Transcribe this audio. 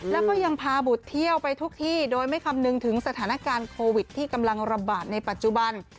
แล้วก็ยังพาบุตรเที่ยวไปทุกที่โดยไม่คำนึงถึงสถานการณ์โควิดที่กำลังระบาดในปัจจุบัน